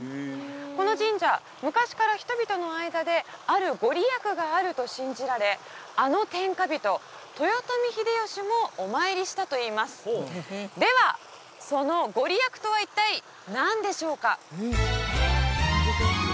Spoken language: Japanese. この神社昔から人々の間である御利益があると信じられあの天下人豊臣秀吉もお参りしたといいますではその御利益とは一体何でしょうか？